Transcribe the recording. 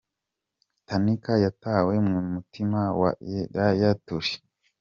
Tanika yatwaye umutima wa Yaya Toure.